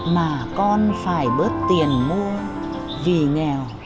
mà con phải bớt tiền mua vì nghèo